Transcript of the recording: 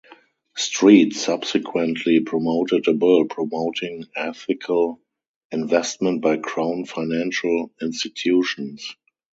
Street subsequently promoted a bill promoting ethical investment by crown financial institutions.